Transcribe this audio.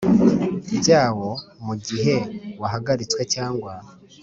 byawo mu gihe wahagaritswe cyangwa